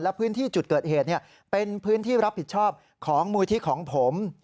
และพื้นที่จุดเกิดเหตุเป็นพื้นที่รับผิดชอบของมูลที่ของผม